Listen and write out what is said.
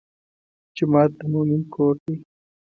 جومات د مؤمن کور دی.